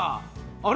あれ？